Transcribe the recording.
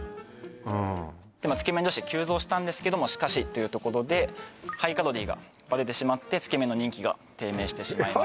うんつけ麺女子急増したんですけどもしかしというところでハイカロリーがバレてしまってつけ麺の人気が低迷してしまいました